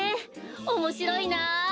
おもしろいな。